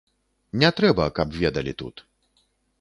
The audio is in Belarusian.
Не трэба, каб ведалі тут.